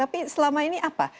tapi selama ini apa